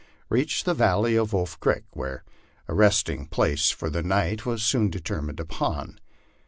reached the valley of Wolf creek, where a resting place for the night was soon determined upon.